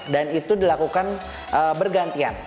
dan itu dilakukan bergantian